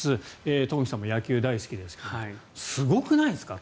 東輝さんも野球大好きですけどすごくないですか？